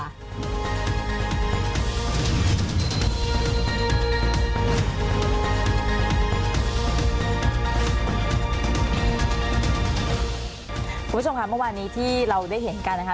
คุณผู้ชมค่ะเมื่อวานนี้ที่เราได้เห็นกันนะคะ